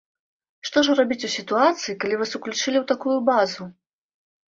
Што ж рабіць у сітуацыі, калі вас уключылі ў такую базу?